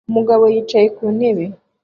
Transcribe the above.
Umugabo yicaye ku ntebe